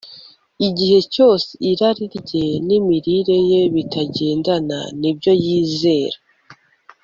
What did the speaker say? igihe cyose irari rye nimirire ye bitagendana nibyo yizera